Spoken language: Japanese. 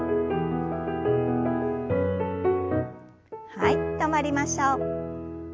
はい止まりましょう。